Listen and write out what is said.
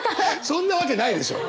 そんなわけないでしょ。